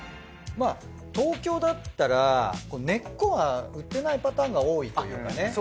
まぁ東京だったら根っこは売ってないパターンが多いというかね。